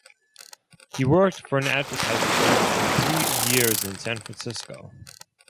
He worked for an advertising firm for three years in San Francisco.